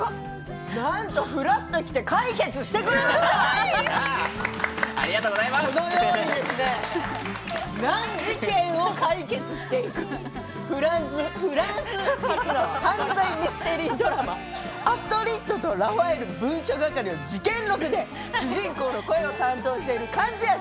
何とふらっと来て解決してくださった難事件を解決してくれるフランス発の犯罪ミステリードラマ「アストリッドとラファエル文書係の事件録」で主人公の声を担当している。